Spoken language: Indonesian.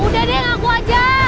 udah deh ngaku aja